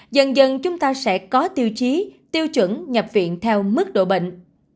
dần dần chúng ta sẽ có tiêu chí tiêu chuẩn nhập viện theo mức độ bệnh